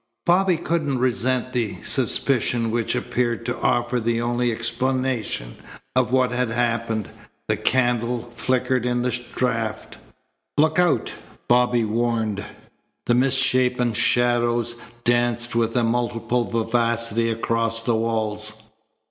Bobby couldn't resent the suspicion which appeared to offer the only explanation of what had happened. The candle flickered in the draft. "Look out!" Bobby warned. The misshapen shadows danced with a multiple vivacity across the walls.